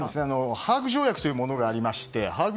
ハーグ条約というものがありましてハーグ